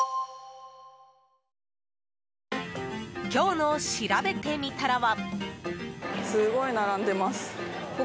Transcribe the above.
今日のしらべてみたらは。